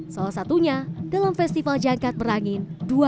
salah satunya dalam festival jangkat merangin dua ribu dua puluh